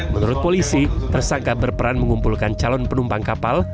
menurut polisi tersangka berperan mengumpulkan calon penumpang kapal